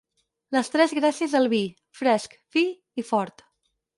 Les tres gràcies del vi: fresc, fi i fort.